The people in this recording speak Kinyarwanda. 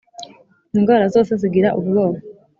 'indwara zose zigira ubwoba.'